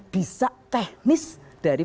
bisa teknis dari